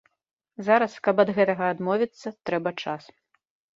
Зараз, каб ад гэтага адмовіцца, трэба час.